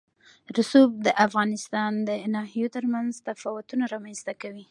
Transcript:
رسوب د افغانستان د ناحیو ترمنځ تفاوتونه رامنځ ته کوي.